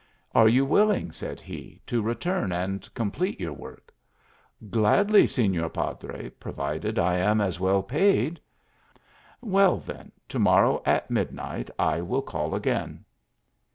* Are you willing," said he, " to return and com plete your work ?" "Gladly, Senor Padre, provided I am as well paid." " Well, then, to morrow at midnight I will call again."